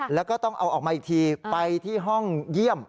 แล้วก็ต้องเอาออกมาอีกทีไปที่ห้องเยี่ยม